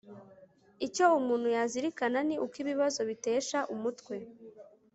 icyo umuntu yazirikana ni uko ibibazo bitesha umutwe